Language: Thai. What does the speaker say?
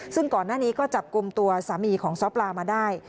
ซึ่งก่อนหน้านี้ก็จับกลุ่มตัวสามีของซ้อปลามาได้